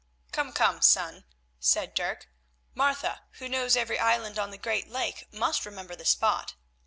"Come, come, son," said Dirk. "Martha, who knows every island on the great lake, must remember the spot."